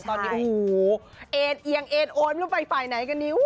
ตอนนี้โอ้โหเอ็นเอียงเอ็นโอนไม่รู้ไปฝ่ายไหนกันนิ้ว